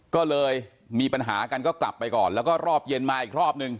ก็เลยมีปัญหากันก็กลับไปก่อนแล้วก็รอบเย็นมาอีกรอบนึง